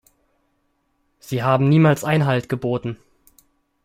Sie haben niemals Einhalt geboten.